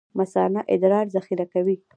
مثانه ادرار ذخیره کوي